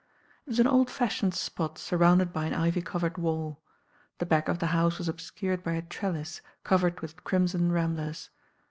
It was an old fashioned spot surrounded by an ivy covered wall. The back of the house was obscured by a trellis covered with crimson ramblers.